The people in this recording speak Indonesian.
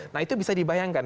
nah itu bisa dibayangkan